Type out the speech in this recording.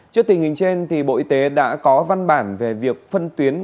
trước tình hình trên bộ y tế đã có văn bản về việc phân tuyến